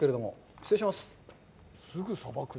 失礼します。